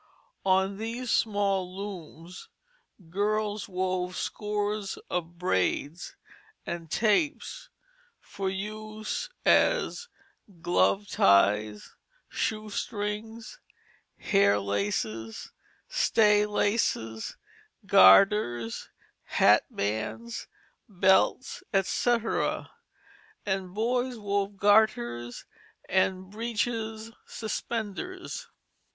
On these small looms girls wove scores of braids and tapes for use as glove ties, shoe strings, hair laces, stay laces, garters, hatbands, belts, etc., and boys wove garters and breeches suspenders.